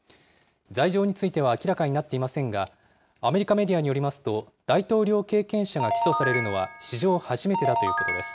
罪状については明らかになっていませんが、アメリカメディアによりますと、大統領経験者が起訴されるのは、史上初めてだということです。